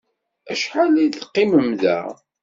Acḥal ad teqqimem da?